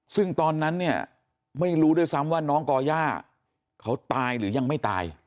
ซึ่งตอนนั้นเนี่ยไม่รู้ด้วยซ้ำว่าน้องก่อย่าเขาตายหรือยังไม่ตาย